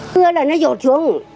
mưa là nó dột xuống